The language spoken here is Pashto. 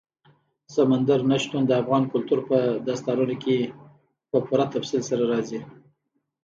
سمندر نه شتون د افغان کلتور په داستانونو کې په پوره تفصیل سره راځي.